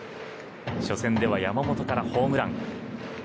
初戦では山本からホームラン。